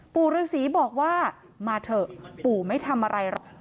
ปู่ฤษีบอกว่ามาเถอะปู่ไม่ทำอะไรหรอก